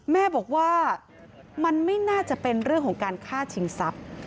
แม่บอกว่ามันไม่น่าจะเป็นเรื่องของการฆ่าชิงทรัพย์